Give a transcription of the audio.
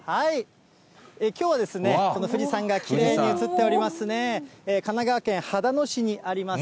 きょうはこの富士山がきれいに映っておりますね、神奈川県秦野市にあります